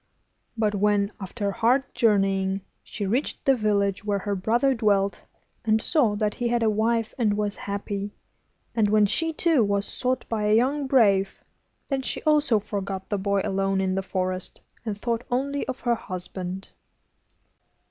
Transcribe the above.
But when, after hard journeying, she reached the village where her brother dwelt, and saw that he had a wife and was happy, and when she, too, was sought by a young brave, then she also forgot the boy alone in the forest, and thought only of her husband.